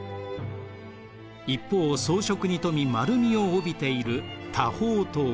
一方装飾に富み丸みを帯びている多宝塔。